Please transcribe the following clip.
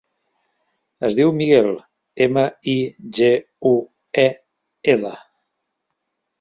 Es diu Miguel: ema, i, ge, u, e, ela.